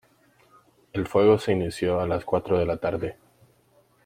El fuego se inició a las cuatro de la tarde.